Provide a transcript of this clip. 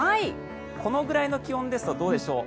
このぐらいの気温ですとどうでしょう。